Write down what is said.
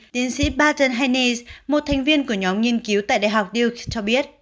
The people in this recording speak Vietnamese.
tiến sĩ barton haines một thành viên của nhóm nghiên cứu tại đại học duke cho biết